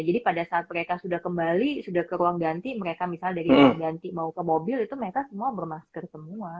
jadi pada saat mereka sudah kembali sudah ke ruang ganti mereka misalnya dari mau ganti mau ke mobil itu mereka semua bermasker semua